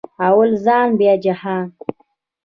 اول ځان بیا جهان